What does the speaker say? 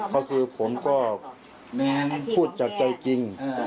ก็คือผมก็พูดจากใจจริง